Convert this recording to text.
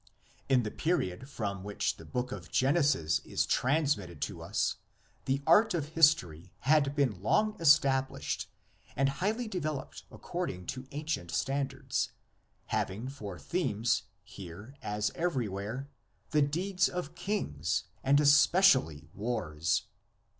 In the period from which the Book of Genesis is trans mitted to us the art of history had been long estab lished and highly developed according to ancient standards, having for themes, here as everywhere, the deeds of kings and especially wars.